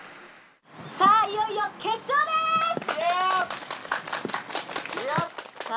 さあいよいよ決勝です！